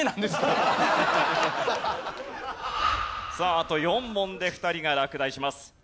さああと４問で２人が落第します。